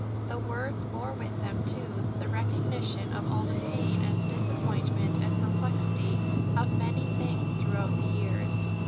The words bore with them, too, the recognition of all the pain and disappointment and perplexity of many things throughout the years.